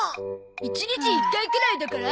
１日１回くらいだから。